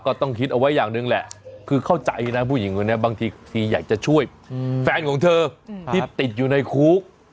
ก็ต้องคิดเอาไว้อย่างหนึ่งแหละคือเข้าใจนะผู้หญิงคนนี้บางทีอยากจะช่วยแฟนของเธอที่ติดอยู่ในคุก